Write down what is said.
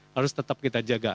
harus tetap kita jaga